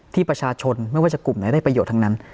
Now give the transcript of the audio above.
ที่ประชาชนไม่ว่าจะกลุ่มไหนได้ประโยชน์ทั้งนั้น